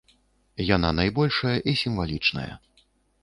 Яна найбольшая і сімвалічная.